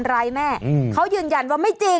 อ้าว